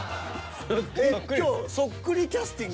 今日そっくりキャスティングなん？